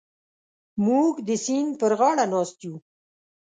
موږ د سیند پر غاړه ناست یو.